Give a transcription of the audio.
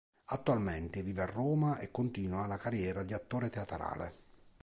Attualmente vive a Roma e continua la carriera di attore teatrale.